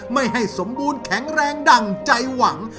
ไม่ให้สมบูรณ์แข็งแรงดั่งใจหวัง